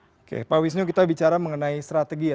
oke pak wisnu kita bicara mengenai strategi ya